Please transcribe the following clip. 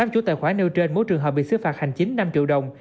tám chủ tài khoản nêu trên mối trường hợp bị xứ phạt hành chính năm triệu đồng